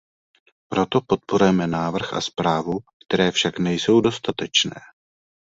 Proto podporujeme návrh a zprávu, které však nejsou dostatečné.